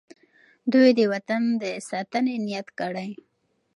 دوی د وطن د ساتنې نیت کړی.